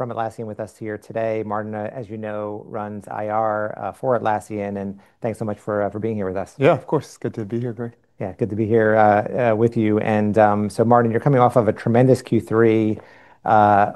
From Atlassian with us here today. Martin, as you know, runs IR for Atlassian, thanks so much for being here with us. Yeah, of course. Good to be here, Gregg. Yeah. Good to be here with you. Martin, you're coming off of a tremendous Q3,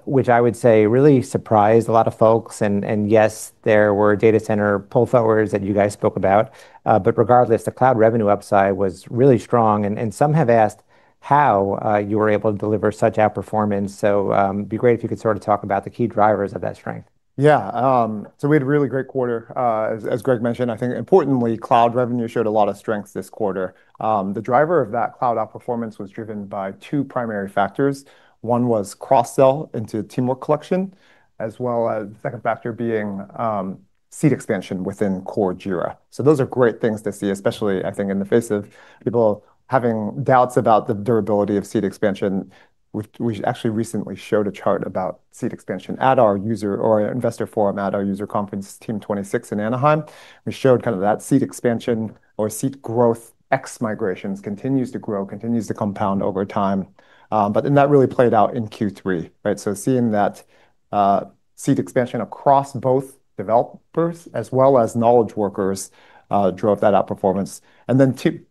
which I would say really surprised a lot of folks. Yes, there were data center pull forwards that you guys spoke about. Regardless, the cloud revenue upside was really strong, and some have asked how you were able to deliver such outperformance. Be great if you could sort of talk about the key drivers of that strength. Yeah. We had a really great quarter. As Gregg mentioned, I think importantly, cloud revenue showed a lot of strength this quarter. The driver of that cloud outperformance was driven by two primary factors. One was cross-sell into Teamwork Collection, as well as the second factor being seat expansion within core Jira. Those are great things to see, especially I think in the face of people having doubts about the durability of seat expansion. We actually recently showed a chart about seat expansion at our user or investor forum at our user conference, Team '26 in Anaheim. We showed kind of that seat expansion or seat growth ex migrations continues to grow, continues to compound over time. That really played out in Q3, right? Seeing that seat expansion across both developers as well as knowledge workers drove that outperformance.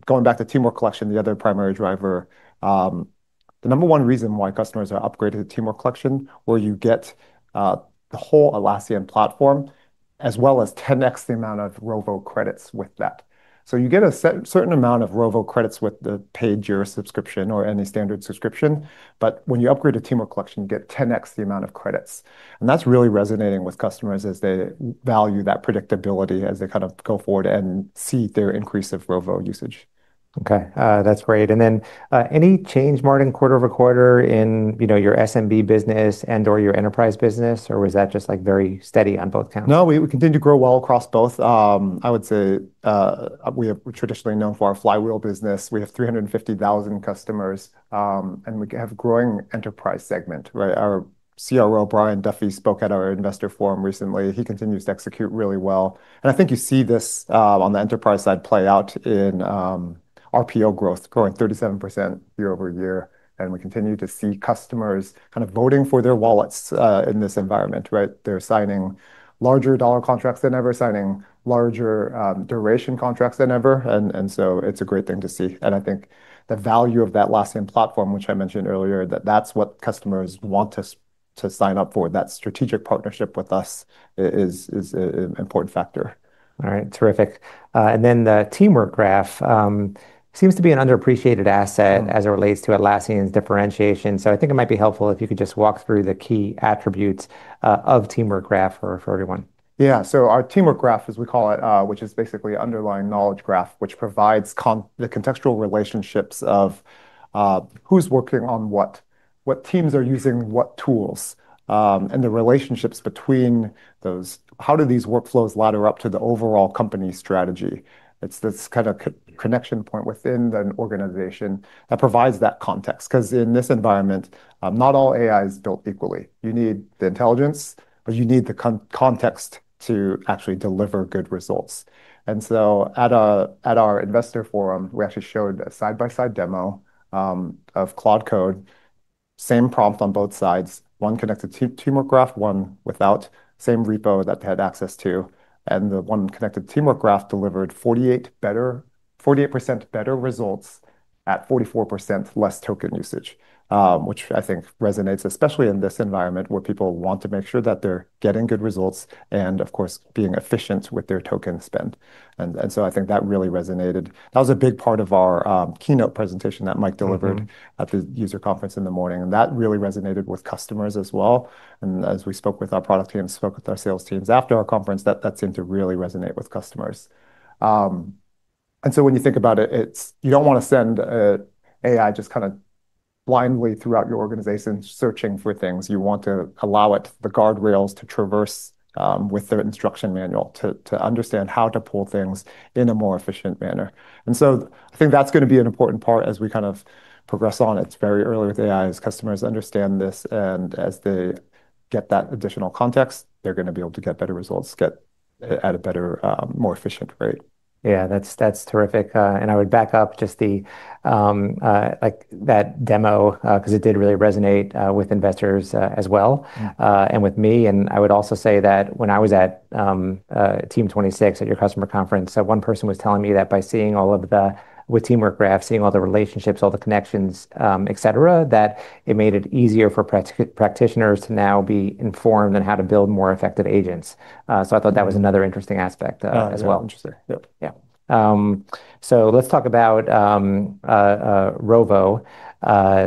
Going back to Teamwork Collection, the other primary driver, the number one reason why customers are upgraded to Teamwork Collection, where you get the whole Atlassian platform, as well as 10X the amount of Rovo credits with that. You get a certain amount of Rovo credits with the paid Jira subscription or any standard subscription, when you upgrade to Teamwork Collection, you get 10X the amount of credits. That's really resonating with customers as they value that predictability as they kind of go forward and see their increase of Rovo usage. Okay. That's great. Any change, Martin, quarter-over-quarter in your SMB business and/or your enterprise business, or was that just very steady on both counts? No, we continue to grow well across both. I would say we are traditionally known for our flywheel business. We have 350,000 customers, we have growing enterprise segment, right? Our CRO, Brian Duffy, spoke at our investor forum recently. He continues to execute really well. I think you see this on the enterprise side play out in RPO growth growing 37% year-over-year, we continue to see customers kind of voting for their wallets in this environment, right? They're signing larger dollar contracts than ever, signing larger duration contracts than ever. It's a great thing to see. I think the value of that Atlassian platform, which I mentioned earlier, that that's what customers want to sign up for, that strategic partnership with us is an important factor. All right. Terrific. The Teamwork Graph seems to be an underappreciated asset as it relates to Atlassian's differentiation. I think it might be helpful if you could just walk through the key attributes of Teamwork Graph for everyone. Yeah. Our Teamwork Graph, as we call it, which is basically underlying knowledge graph, which provides the contextual relationships of who's working on what teams are using what tools. The relationships between those, how do these workflows ladder up to the overall company strategy. It's this kind of connection point within an organization that provides that context. In this environment, not all AI is built equally. You need the intelligence, but you need the context to actually deliver good results. At our investor forum, we actually showed a side-by-side demo of Claude Code, same prompt on both sides, one connected to Teamwork Graph, one without, same repo that they had access to. The one connected Teamwork Graph delivered 48% better results at 44% less token usage. Which I think resonates, especially in this environment where people want to make sure that they're getting good results and of course being efficient with their token spend. I think that really resonated. That was a big part of our keynote presentation that Mike delivered at the user conference in the morning. That really resonated with customers as well. As we spoke with our product teams, spoke with our sales teams after our conference, that seemed to really resonate with customers. When you think about it, you don't want to send AI just kind of blindly throughout your organization searching for things. You want to allow it the guardrails to traverse with their instruction manual to understand how to pull things in a more efficient manner. I think that's going to be an important part as we kind of progress on. It's very early with AI. As customers understand this and as they get that additional context, they're going to be able to get better results at a better more efficient rate. Yeah, that's terrific. I would back up just that demo because it did really resonate with investors as well. With me, I would also say that when I was at Team '26 at your customer conference, one person was telling me that by seeing all of the Teamwork Graphs, seeing all the relationships, all the connections, et cetera, that it made it easier for practitioners to now be informed on how to build more effective agents. I thought that was another interesting aspect as well. Oh, interesting. Yep. Yeah. Let's talk about Rovo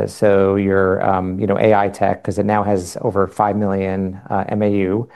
so your AI tech because it now has over 5 million MAU.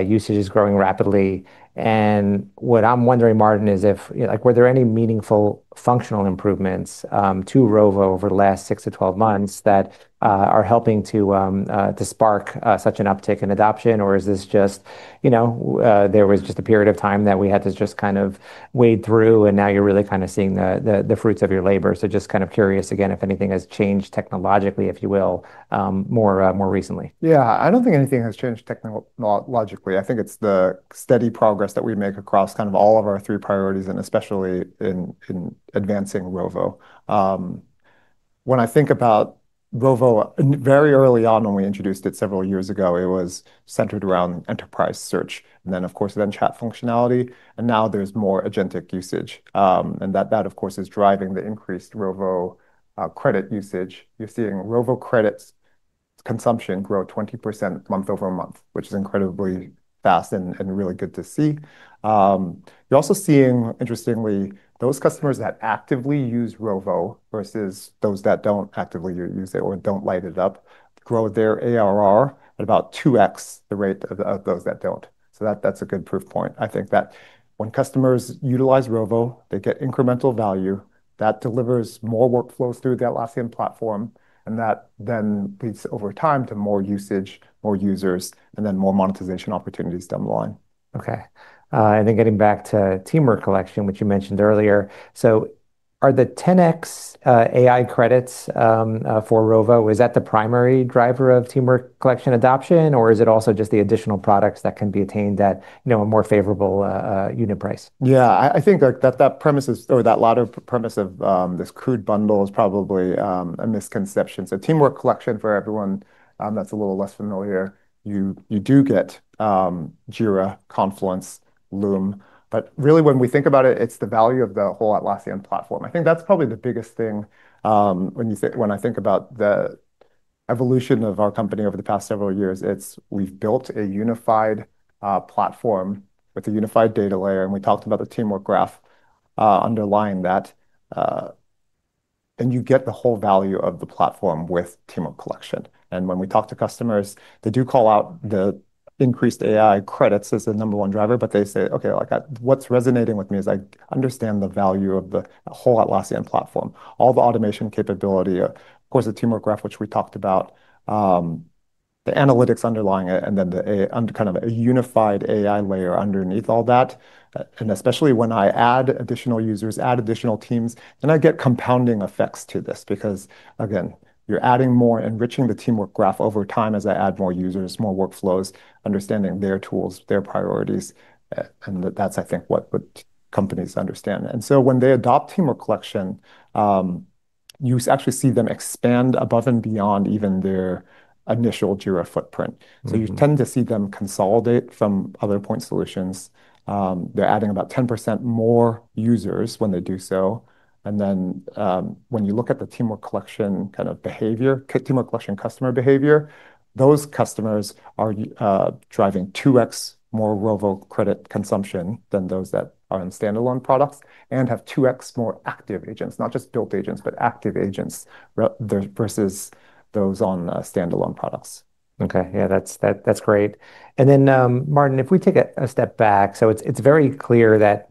Usage is growing rapidly, and what I'm wondering, Martin, is were there any meaningful functional improvements to Rovo over the last six to 12 months that are helping to spark such an uptick in adoption? Or is this just there was just a period of time that we had to just kind of wade through and now you're really kind of seeing the fruits of your labor? Just kind of curious again, if anything has changed technologically, if you will, more recently. I don't think anything has changed technologically. I think it's the steady progress that we make across kind of all of our three priorities and especially in advancing Rovo. When I think about Rovo, very early on when we introduced it several years ago, it was centered around enterprise search and then, of course, then chat functionality, and now there's more agentic usage. That, of course, is driving the increased Rovo credit usage. You're seeing Rovo credits consumption grow 20% month-over-month, which is incredibly fast and really good to see. You're also seeing, interestingly, those customers that actively use Rovo versus those that don't actively use it or don't light it up grow their ARR at about 2x the rate of those that don't. That's a good proof point. I think that when customers utilize Rovo, they get incremental value that delivers more workflows through the Atlassian platform, and that then leads over time to more usage, more users, and then more monetization opportunities down the line. Okay. Getting back to Teamwork Collection, which you mentioned earlier, are the 10X AI credits for Rovo, is that the primary driver of Teamwork Collection adoption, or is it also just the additional products that can be attained at a more favorable unit price? Yeah. I think that lot of premise of this cloud bundle is probably a misconception. Teamwork Collection for everyone that's a little less familiar, you do get Jira, Confluence, Loom. Really when we think about it's the value of the whole Atlassian platform. I think that's probably the biggest thing when I think about the evolution of our company over the past several years. It's we've built a unified platform with a unified data layer, we talked about the Teamwork Graph underlying that. You get the whole value of the platform with Teamwork Collection. When we talk to customers, they do call out the increased AI credits as the number 1 driver, but they say, "Okay, what's resonating with me is I understand the value of the whole Atlassian platform, all the automation capability, of course, the Teamwork Graph, which we talked about, the analytics underlying it, and then the kind of a unified AI layer underneath all that. Especially when I add additional users, add additional teams, then I get compounding effects to this because, again, you're adding more, enriching the Teamwork Graph over time as I add more users, more workflows, understanding their tools, their priorities." That's, I think, what companies understand. When they adopt Teamwork Collection, you actually see them expand above and beyond even their initial Jira footprint. You tend to see them consolidate from other point solutions. They're adding about 10% more users when they do so. When you look at the Teamwork Collection customer behavior, those customers are driving 2X more Rovo credit consumption than those that are in standalone products and have 2X more active agents, not just built agents, but active agents versus those on standalone products. Okay. Yeah, that's great. Martin, if we take a step back, it's very clear that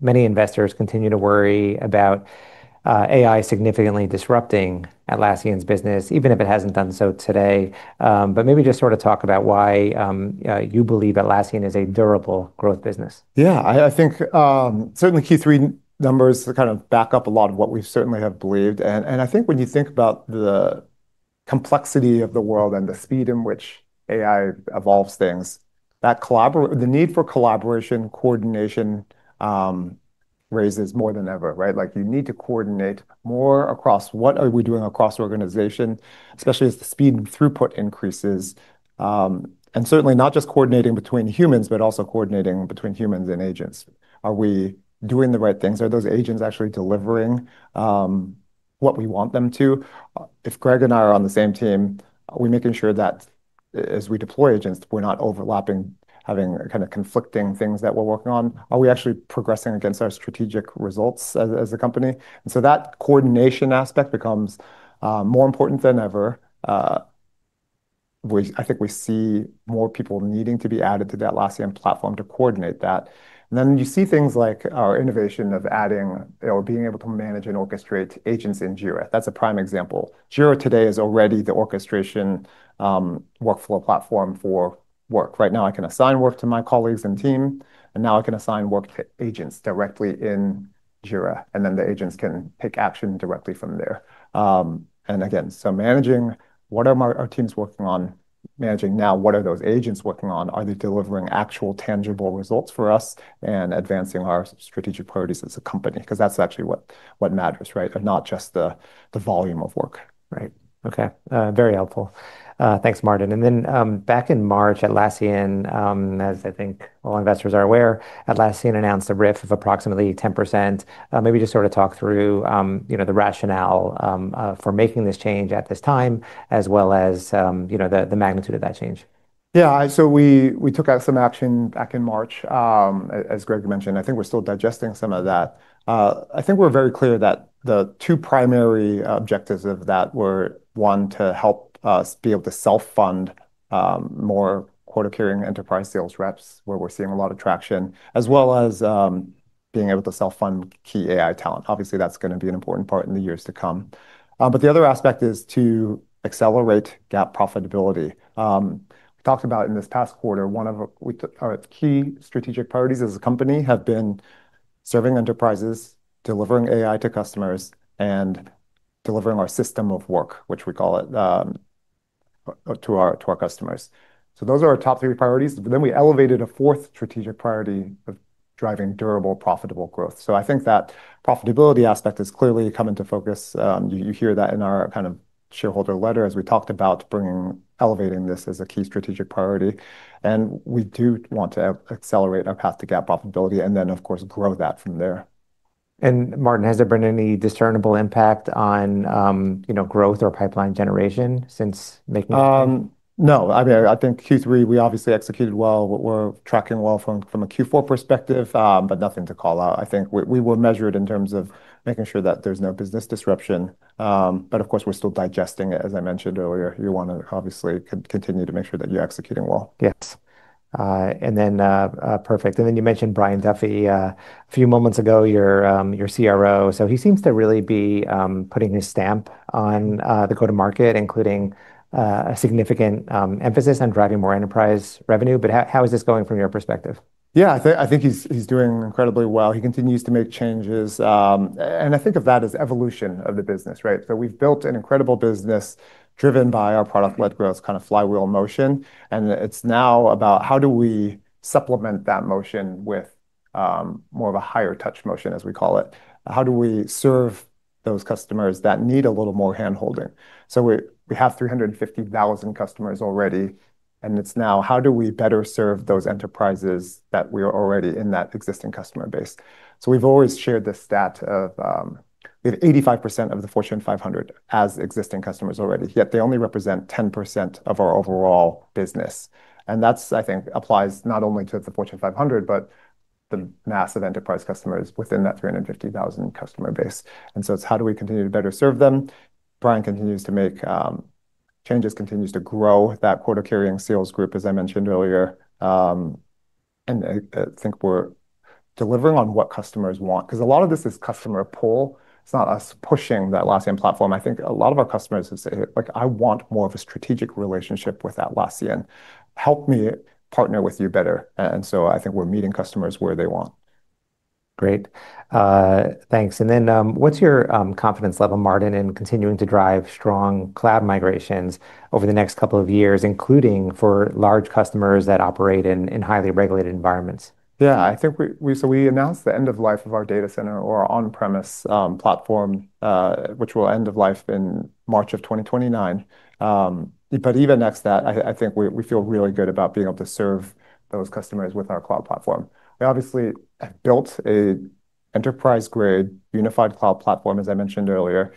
many investors continue to worry about AI significantly disrupting Atlassian's business, even if it hasn't done so today. Maybe just sort of talk about why you believe Atlassian is a durable growth business. Yeah. I think, certainly Q3 numbers kind of back up a lot of what we certainly have believed. I think when you think about the complexity of the world and the speed in which AI evolves things, the need for collaboration, coordination raises more than ever, right? You need to coordinate more across what are we doing across the organization, especially as the speed and throughput increases. Certainly not just coordinating between humans, but also coordinating between humans and agents. Are we doing the right things? Are those agents actually delivering what we want them to? If Gregg and I are on the same team, are we making sure that as we deploy agents, we're not overlapping, having kind of conflicting things that we're working on? Are we actually progressing against our strategic results as a company? That coordination aspect becomes more important than ever. I think we see more people needing to be added to the Atlassian platform to coordinate that. You see things like our innovation of adding or being able to manage and orchestrate agents in Jira. That's a prime example. Jira today is already the orchestration workflow platform for work. Right now, I can assign work to my colleagues and team, and now I can assign work to agents directly in Jira, and the agents can take action directly from there. Managing what are our teams working on managing now, what are those agents working on? Are they delivering actual tangible results for us and advancing our strategic priorities as a company? Because that's actually what matters, right? Not just the volume of work. Right. Okay. Very helpful. Thanks, Martin. Back in March, Atlassian, as I think all investors are aware, Atlassian announced a RIF of approximately 10%. Maybe just sort of talk through the rationale for making this change at this time as well as the magnitude of that change. Yeah. We took out some action back in March, as Gregg mentioned. I think we're still digesting some of that. I think we're very clear that the two primary objectives of that were, one, to help us be able to self-fund more quota-carrying enterprise sales reps, where we're seeing a lot of traction, as well as being able to self-fund key AI talent. Obviously, that's going to be an important part in the years to come. The other aspect is to accelerate GAAP profitability. We talked about in this past quarter, our key strategic priorities as a company have been serving enterprises, delivering AI to customers, and delivering our system of work, which we call it to our customers. Those are our top three priorities. We elevated a 4th strategic priority of driving durable, profitable growth. I think that profitability aspect has clearly come into focus. You hear that in our shareholder letter, as we talked about elevating this as a key strategic priority. We do want to accelerate our path to GAAP profitability and then, of course, grow that from there. Martin, has there been any discernible impact on growth or pipeline generation since making it? No. I think Q3, we obviously executed well. We're tracking well from a Q4 perspective, but nothing to call out. I think we will measure it in terms of making sure that there's no business disruption. Of course, we're still digesting it, as I mentioned earlier. We want to obviously continue to make sure that you're executing well. Yes. Perfect. You mentioned Brian Duffy a few moments ago, your CRO. He seems to really be putting his stamp on the go-to market, including a significant emphasis on driving more enterprise revenue. How is this going from your perspective? Yeah, I think he's doing incredibly well. He continues to make changes. I think of that as evolution of the business, right? We've built an incredible business driven by our product-led growth kind of flywheel motion, and it's now about how do we supplement that motion with more of a higher touch motion, as we call it. How do we serve those customers that need a little more hand-holding? We have 350,000 customers already, and it's now how do we better serve those enterprises that we already in that existing customer base? We've always shared the stat of we have 85% of the Fortune 500 as existing customers already, yet they only represent 10% of our overall business. That, I think, applies not only to the Fortune 500, but the mass of enterprise customers within that 350,000 customer base. It's how do we continue to better serve them. Brian continues to make changes, continues to grow that quota-carrying sales group, as I mentioned earlier. I think we're delivering on what customers want because a lot of this is customer pull. It's not us pushing that Atlassian platform. I think a lot of our customers would say, "I want more of a strategic relationship with Atlassian. Help me partner with you better." I think we're meeting customers where they want. Great. Thanks. What's your confidence level, Martin, in continuing to drive strong cloud migrations over the next couple of years, including for large customers that operate in highly regulated environments? Yeah. We announced the end of life of our data center or our on-premise platform, which will end of life in March of 2029. Even next to that, I think we feel really good about being able to serve those customers with our cloud platform. We obviously have built an enterprise-grade unified cloud platform, as I mentioned earlier.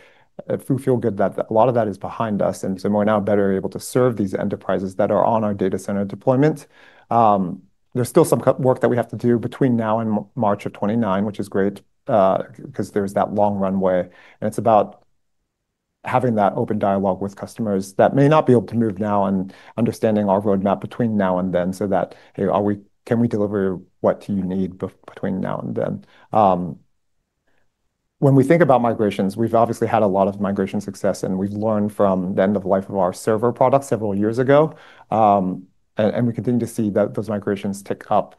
I feel good that a lot of that is behind us, we're now better able to serve these enterprises that are on our data center deployment. There's still some work that we have to do between now and March of 2029, which is great because there's that long runway, and it's about having that open dialogue with customers that may not be able to move now and understanding our roadmap between now and then so that, hey, can we deliver what you need between now and then? When we think about migrations, we've obviously had a lot of migration success, and we've learned from the end of life of our server product several years ago. We continue to see those migrations tick up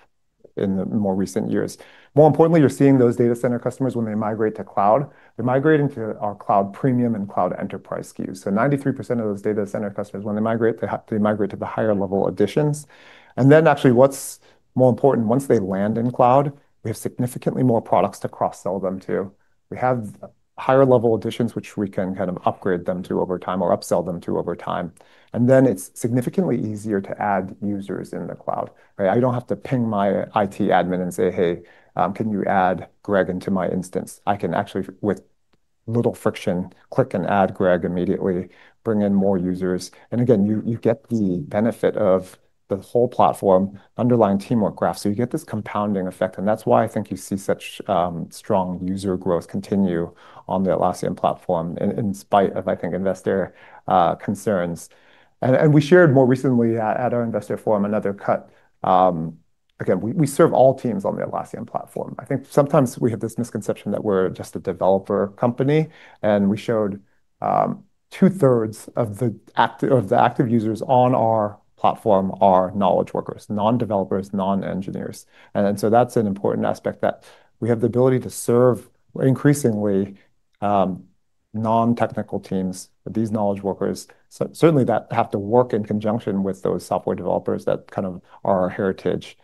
in the more recent years. More importantly, you're seeing those data center customers when they migrate to cloud. They're migrating to our cloud premium and cloud enterprise SKUs. 93% of those data center customers, when they migrate, they migrate to the higher level editions. Actually what's more important, once they land in cloud, we have significantly more products to cross-sell them to. We have higher level editions, which we can kind of upgrade them to over time or upsell them to over time. It's significantly easier to add users in the cloud, right? I don't have to ping my IT admin and say, "Hey, can you add Gregg into my instance?" I can actually, with little friction, click and add Gregg immediately, bring in more users. Again, you get the benefit of the whole platform underlying Teamwork Graph. You get this compounding effect, and that's why I think you see such strong user growth continue on the Atlassian platform in spite of, I think, investor concerns. We shared more recently at our investor forum another cut. Again, we serve all teams on the Atlassian platform. I think sometimes we have this misconception that we're just a developer company, we showed two-thirds of the active users on our platform are knowledge workers, non-developers, non-engineers. That's an important aspect that we have the ability to serve increasingly non-technical teams, these knowledge workers. Certainly that have to work in conjunction with those software developers that kind of are our heritage.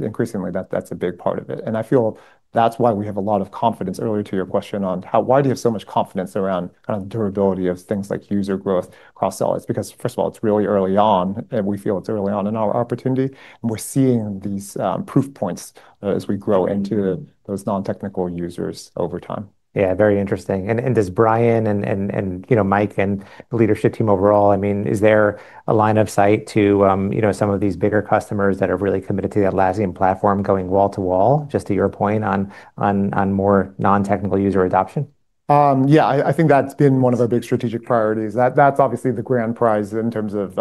Increasingly, that's a big part of it. I feel that's why we have a lot of confidence, earlier to your question on why do you have so much confidence around kind of durability of things like user growth, cross-sell? It's because first of all, it's really early on, we feel it's early on in our opportunity, we're seeing these proof points as we grow into those non-technical users over time. Yeah, very interesting. Does Brian and Mike and the leadership team overall, is there a line of sight to some of these bigger customers that are really committed to the Atlassian platform going wall to wall, just to your point on more non-technical user adoption? Yeah. I think that's been one of our big strategic priorities. That's obviously the grand prize in terms of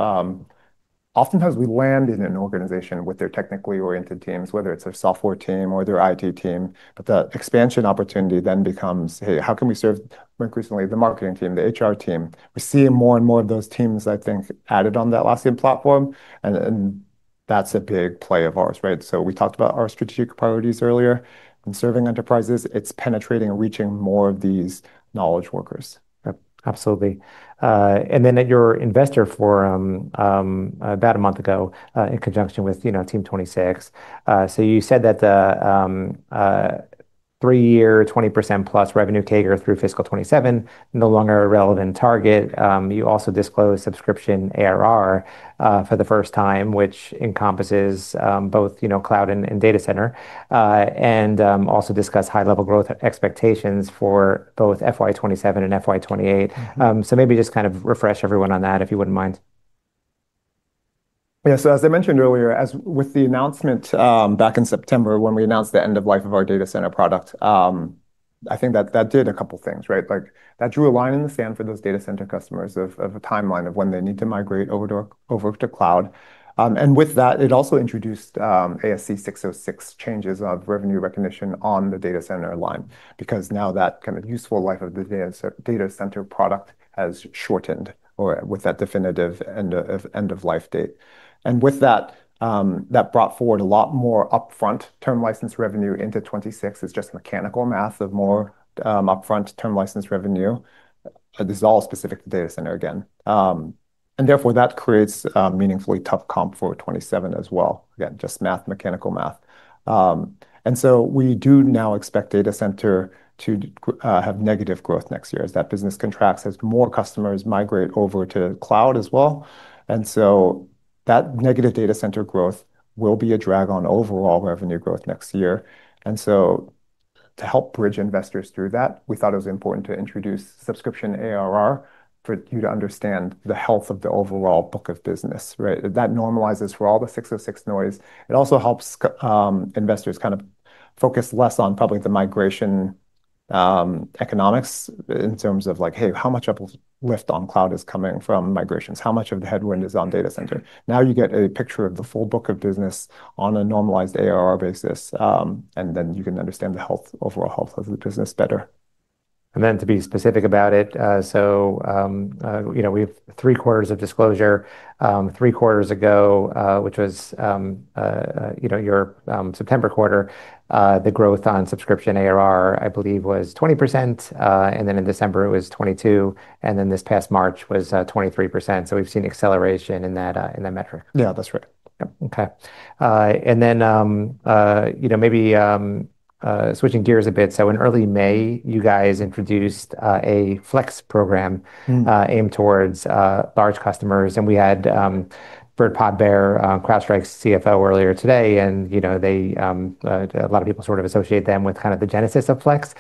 oftentimes we land in an organization with their technically oriented teams, whether it's their software team or their IT team. But the expansion opportunity then becomes, hey, how can we serve increasingly the marketing team, the HR team? We're seeing more and more of those teams, I think, added on the Atlassian platform. AndThat's a big play of ours, right? So we talked about our strategic priorities earlier in serving enterprises. It's penetrating and reaching more of these knowledge workers. Yep, absolutely. And then at your investor forum about a month ago, in conjunction with Team 26. So you said that the three-year, 20%+revenue CAGR through fiscal 2027 no longer a relevant target. You also disclosed subscription ARR for the first time, which encompasses both cloud and data center, and also discussed high-level growth expectations for both FY 2027 and FY 2028. So maybe just kind of refresh everyone on that, if you wouldn't mind. Yeah. As I mentioned earlier, as with the announcement back in September when we announced the end of life of our data center product, I think that that did a couple things, right? That drew a line in the sand for those data center customers of a timeline of when they need to migrate over to cloud. With that, it also introduced ASC 606 changes of revenue recognition on the data center line because now that kind of useful life of the data center product has shortened or with that definitive end of life date. With that brought forward a lot more upfront term license revenue into 2026. It's just mechanical math of more upfront term license revenue. This is all specific to data center again. Therefore, that creates a meaningfully tough comp for 2027 as well. Again, just mechanical math. We do now expect data center to have negative growth next year as that business contracts, as more customers migrate over to cloud as well. That negative data center growth will be a drag on overall revenue growth next year. To help bridge investors through that, we thought it was important to introduce subscription ARR for you to understand the health of the overall book of business, right? That normalizes for all the ASC 606 noise. It also helps investors kind of focus less on probably the migration economics in terms of like, hey, how much uplift on cloud is coming from migrations? How much of the headwind is on data center? Now you get a picture of the full book of business on a normalized ARR basis. Then you can understand the overall health of the business better. To be specific about it, we have three quarters of disclosure. Three quarters ago, which was your September quarter, the growth on subscription ARR, I believe, was 20%. In December it was 22%, this past March was 23%. We've seen acceleration in that metric. Yeah, that's right. Yep. Okay. Maybe switching gears a bit. In early May, you guys introduced a Flex program. Aimed towards large customers. We had Burt Podbere, CrowdStrike's CFO, earlier today, and a lot of people sort of associate them with kind of the genesis of Flex.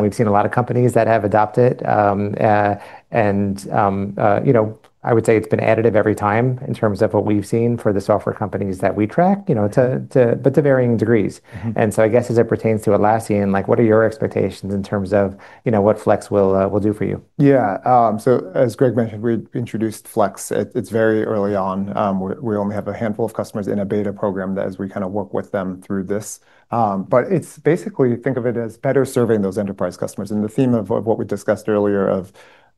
We've seen a lot of companies that have adopted. I would say it's been additive every time in terms of what we've seen for the software companies that we track but to varying degrees. I guess as it pertains to Atlassian, what are your expectations in terms of what Flex will do for you? As Gregg Moskowitz mentioned, we introduced Flex. It's very early on. We only have a handful of customers in a beta program as we kind of work with them through this. It's basically think of it as better serving those enterprise customers and the theme of what we discussed earlier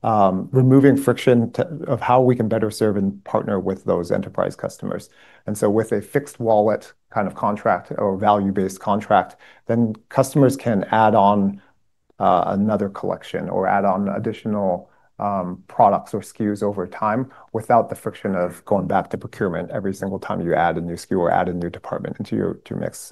of removing friction, of how we can better serve and partner with those enterprise customers. With a fixed wallet kind of contract or value-based contract, then customers can add on another collection or add on additional products or SKUs over time without the friction of going back to procurement every single time you add a new SKU or add a new department into your mix.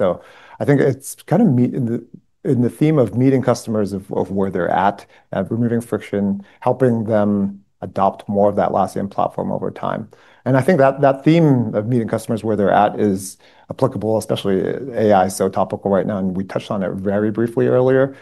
I think it's kind of in the theme of meeting customers of where they're at, removing friction, helping them adopt more of the Atlassian platform over time. I think that theme of meeting customers where they're at is applicable, especially AI, so topical right now, and we touched on it very briefly earlier.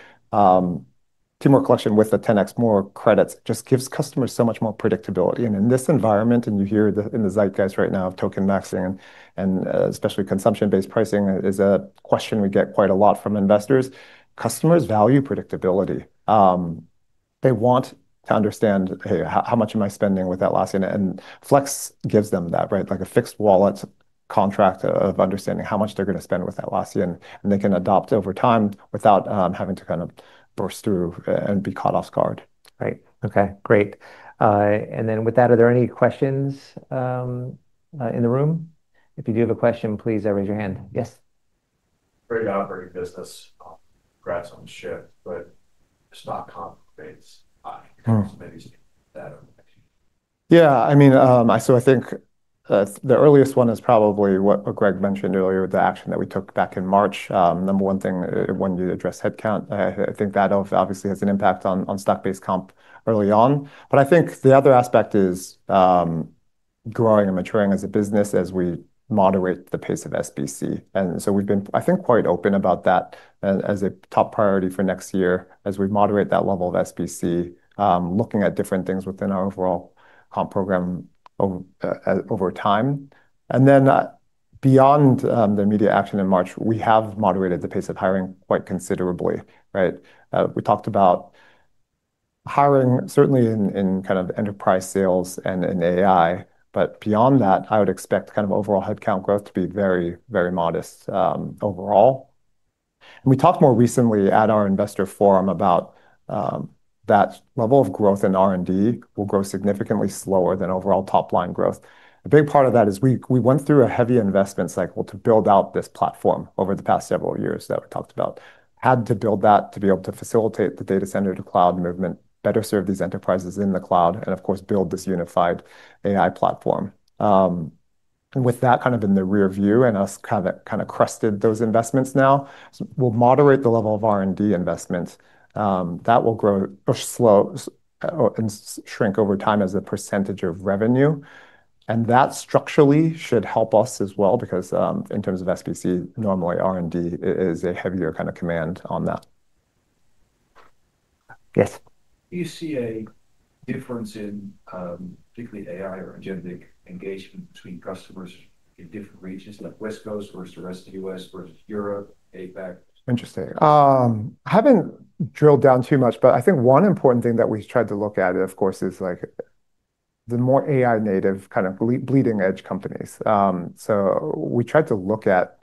Teamwork Collection with the 10x more credits just gives customers so much more predictability. In this environment, and you hear in the zeitgeist right now of token maxing and especially consumption-based pricing is a question we get quite a lot from investors. Customers value predictability. They want to understand, hey, how much am I spending with Atlassian? Flex gives them that, right? Like a fixed wallet contract of understanding how much they're going to spend with Atlassian, and they can adopt over time without having to kind of burst through and be caught off guard. Right. Okay, great. Then with that, are there any questions in the room? If you do have a question, please raise your hand. Yes Great operating business. Congrats on the shift, stock comp rates high. Maybe speak to that a bit. Yeah. I think the earliest one is probably what Gregg mentioned earlier, the action that we took back in March. Number one thing when you address headcount, I think that obviously has an impact on stock-based comp early on. I think the other aspect is growing and maturing as a business as we moderate the pace of SBC. We've been, I think, quite open about that as a top priority for next year as we moderate that level of SBC, looking at different things within our overall comp program over time. Beyond the immediate action in March, we have moderated the pace of hiring quite considerably, right? We talked about hiring certainly in kind of enterprise sales and in AI. Beyond that, I would expect kind of overall headcount growth to be very modest overall. We talked more recently at our investor forum about that level of growth in R&D will grow significantly slower than overall top-line growth. A big part of that is we went through a heavy investment cycle to build out this platform over the past several years that we talked about. Had to build that to be able to facilitate the data center to cloud movement, better serve these enterprises in the cloud, and of course, build this unified AI platform. With that kind of in the rear view and us kind of crested those investments now, we'll moderate the level of R&D investments. That will grow or shrink over time as a percentage of revenue. That structurally should help us as well because, in terms of SBC, normally, R&D is a heavier kind of command on that. Yes. Do you see a difference in, particularly AI or agentic engagement between customers in different regions, like West Coast versus the rest of U.S. versus Europe, APAC? Interesting. Haven't drilled down too much, I think one important thing that we tried to look at, of course, is the more AI native kind of bleeding edge companies. We tried to look at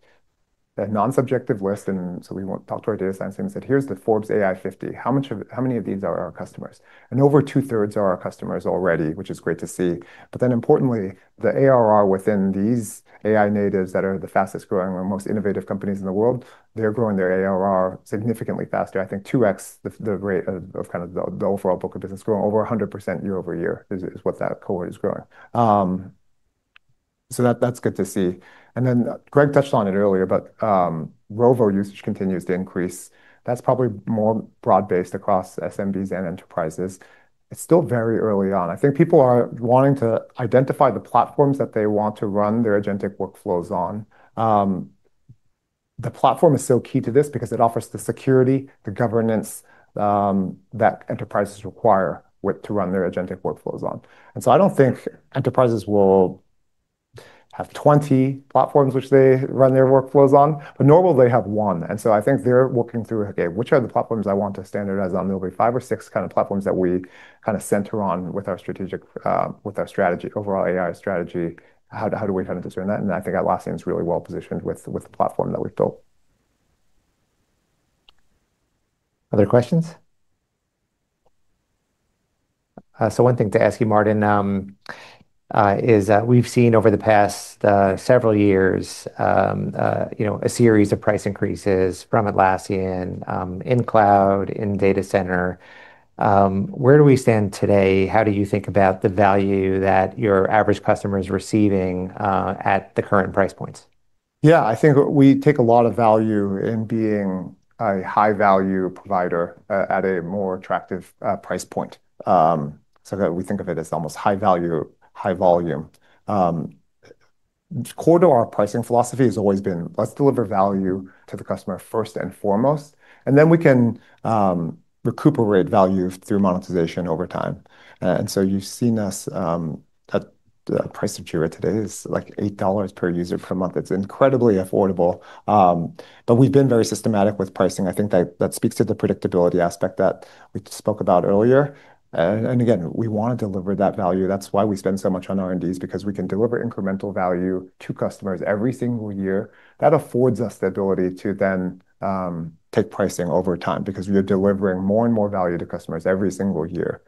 a non-subjective list, we went and talked to our data science team and said, "Here's the Forbes AI 50. How many of these are our customers?" Over 2/3 are our customers already, which is great to see. Importantly, the ARR within these AI natives that are the fastest-growing or most innovative companies in the world, they're growing their ARR significantly faster. I think 2x the rate of kind of the overall book of business growing. Over 100% year-over-year is what that cohort is growing. That's good to see. Gregg touched on it earlier, Rovo usage continues to increase. That's probably more broad-based across SMBs and enterprises. It's still very early on. I think people are wanting to identify the platforms that they want to run their agentic workflows on. The platform is so key to this because it offers the security, the governance that enterprises require to run their agentic workflows on. I don't think enterprises will have 20 platforms which they run their workflows on, but normally they have one. I think they're working through, "Okay, which are the platforms I want to standardize on? There'll be five or six kind of platforms that we kind of center on with our overall AI strategy. How do we kind of discern that?" I think Atlassian's really well-positioned with the platform that we've built. Other questions? One thing to ask you, Martin, is that we've seen over the past several years a series of price increases from Atlassian in cloud, in data center. Where do we stand today? How do you think about the value that your average customer is receiving at the current price points? Yeah, I think we take a lot of value in being a high-value provider at a more attractive price point, so that we think of it as almost high value, high volume. Core to our pricing philosophy has always been, let's deliver value to the customer first and foremost, then we can recuperate value through monetization over time. You've seen us at the price of Jira today is like $8 per user per month. It's incredibly affordable. We've been very systematic with pricing. I think that speaks to the predictability aspect that we spoke about earlier. Again, we want to deliver that value. That's why we spend so much on R&D, because we can deliver incremental value to customers every single year. That affords us the ability to then take pricing over time because we are delivering more and more value to customers every single year.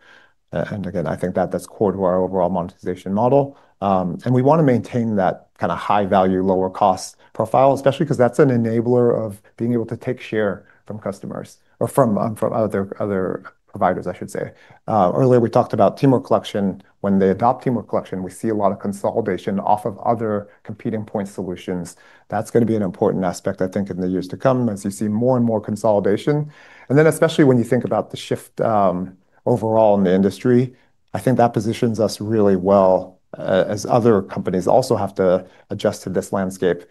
Again, I think that's core to our overall monetization model. We want to maintain that kind of high value, lower cost profile, especially because that's an enabler of being able to take share from customers or from other providers, I should say. Earlier, we talked about Teamwork Collection. When they adopt Teamwork Collection, we see a lot of consolidation off of other competing point solutions. That's going to be an important aspect, I think, in the years to come as we see more and more consolidation. Then especially when you think about the shift overall in the industry, I think that positions us really well, as other companies also have to adjust to this landscape.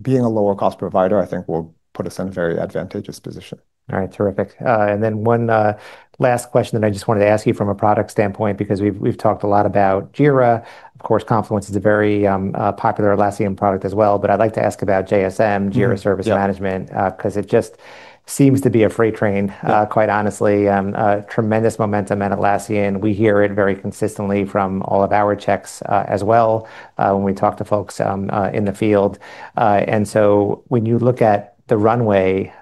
Being a lower cost provider, I think will put us in a very advantageous position. All right, terrific. One last question that I just wanted to ask you from a product standpoint, because we've talked a lot about Jira. Of course, Confluence is a very popular Atlassian product as well. I'd like to ask about JSM, Jira Service Management because it just seems to be a freight train, quite honestly. Tremendous momentum at Atlassian. We hear it very consistently from all of our checks as well when we talk to folks in the field. When you look at the runway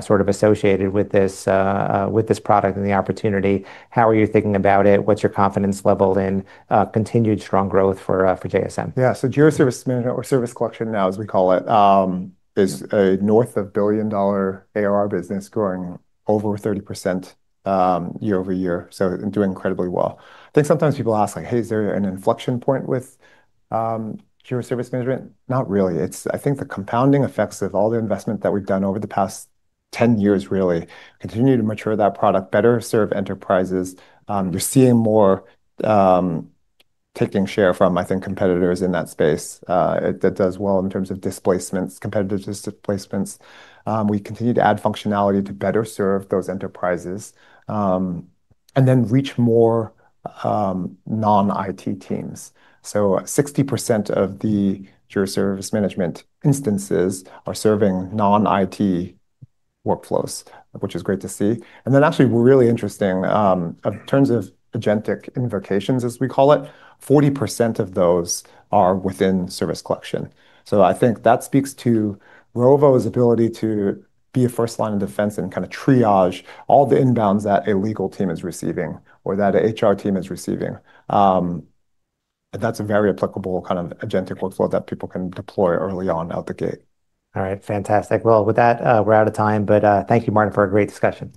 sort of associated with this product and the opportunity, how are you thinking about it? What's your confidence level in continued strong growth for JSM? Yeah. Jira Service Management or Service Collection now as we call it, is a north of billion-dollar ARR business growing over 30% year-over-year, doing incredibly well. I think sometimes people ask, "Hey, is there an inflection point with Jira Service Management?" Not really. I think the compounding effects of all the investment that we've done over the past 10 years really continue to mature that product, better serve enterprises. You're seeing more taking share from, I think, competitors in that space. It does well in terms of displacements, competitive displacements. We continue to add functionality to better serve those enterprises, reach more non-IT teams. 60% of the Jira Service Management instances are serving non-IT workflows, which is great to see. Actually really interesting, in terms of agentic invocations, as we call it, 40% of those are within Service Collection. I think that speaks to Rovo's ability to be a first line of defense and kind of triage all the inbounds that a legal team is receiving or that a HR team is receiving. That's a very applicable kind of agentic workflow that people can deploy early on out the gate. All right. Fantastic. Well, with that, we're out of time, but thank you, Martin, for a great discussion.